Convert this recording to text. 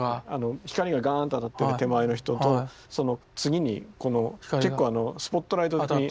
光がガーンと当たってる手前の人とその次に結構スポットライト当たってて。